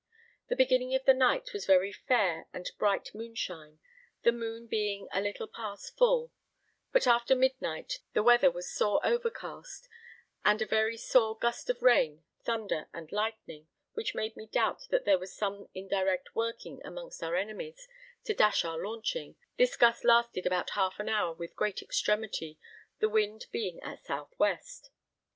The beginning of the night was very fair and bright moonshine, the moon being a little past full, but after midnight the weather was sore overcast, and a very sore gust of rain, thunder and lightning, which made me doubt that there was some indirect working amongst our enemies to dash our launching; this gust lasted about half an hour with great extremity, the wind being at south west.